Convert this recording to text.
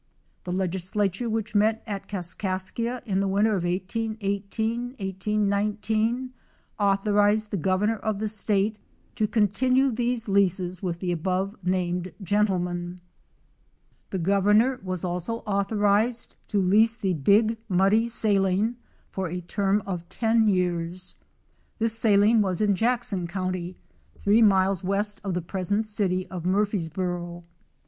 The legislature which met at Kaskaskia the winter of 1818 19 authorized the Governor of the State 252 to continue these leases with the above named gentlemen. The Gov ernor was also authorized to lease the Big Muddy Saline for a term of ten years. This saline was in Jackson county, three miles west of the present city of Murphysboro.